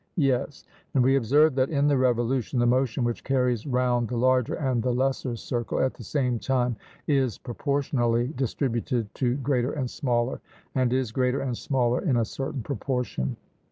'Yes.' And we observe that, in the revolution, the motion which carries round the larger and the lesser circle at the same time is proportionally distributed to greater and smaller, and is greater and smaller in a certain proportion.